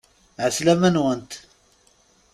Ɛeslama-nwent!